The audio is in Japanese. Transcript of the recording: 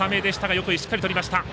横井、しっかりとりました。